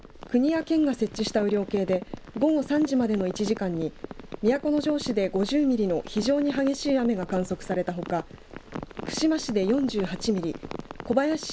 国や県が設置した雨量計で午後３時までの１時間に都城市で５０ミリの非常に激しい雨が観測されたほか串間市で４８ミリ